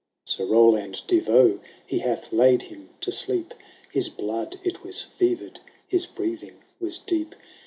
II. Sir Roland de Vaux he hfith laid him to sleep. His blood it was fevered, his breathing was deep.